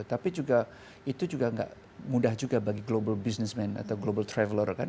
tapi juga itu juga gak mudah juga bagi global businessman atau global traveler kan